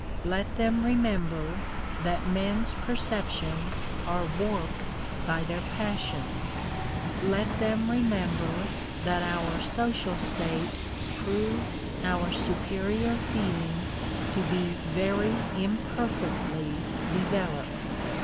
Let them remember that men's perceptions are warped by their passions. Let them remember that our social state proves our superior feelings to be very imperfectly developed.